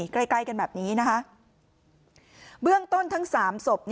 ใกล้ใกล้กันแบบนี้นะคะเบื้องต้นทั้งสามศพ